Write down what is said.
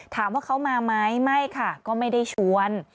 ถามว่าเขามาไหมไม่ค่ะก็ไม่ได้ชวน